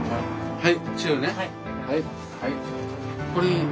はい。